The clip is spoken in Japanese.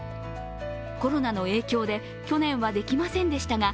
コロナの影響で去年はできませんでしたが